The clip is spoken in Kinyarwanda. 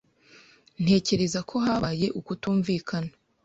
Ntekereza ko habaye ukutumvikana.